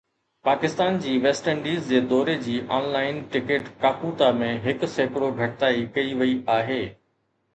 پاڪستان جي West Indies جي دوري جي آن لائن ٽڪيٽ ڪاڪوتا ۾ هڪ سيڪڙو گهٽتائي ڪئي وئي آهي